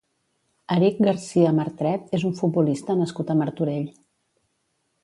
Eric García Martret és un futbolista nascut a Martorell.